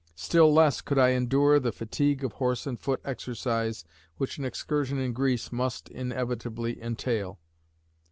Still less could I endure the fatigue of horse and foot exercise which an excursion in Greece must inevitably entail."